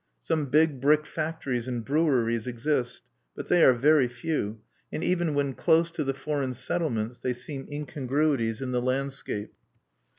Some big brick factories and breweries exist; but they are very few, and even when close to the foreign settlements they seem incongruities in the landscape.